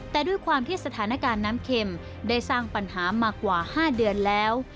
แต่ด้วยความที่สถานการณ์น้ำเข็มได้สร้างปัญหามากว่า๕เดือนแล้ว